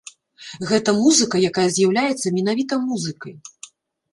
Гэта музыка, якая з'яўляецца менавіта музыкай.